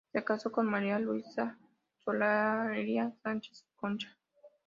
Se casó con María Luisa Solari Sánchez-Concha.